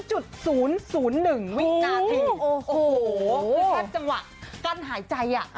โอ้โหคือถ้าจังหวะกั้นหายใจ